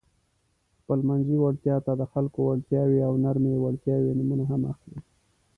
خپلمنځي وړتیا ته د خلکو وړتیاوې او نرمې وړتیاوې نومونه هم اخلي.